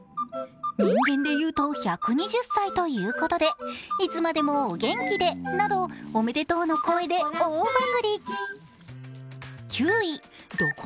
人間でいうと１２０歳ということでいつまでもお元気でなど、おめでとうの声で大バズリ。